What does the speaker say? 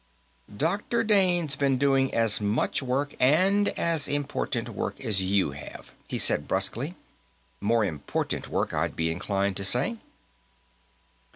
"Dr. Dane's been doing as much work, and as important work, as you have," he said brusquely. "More important work, I'd be inclined to say."